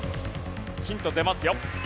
ヒント出ますよ。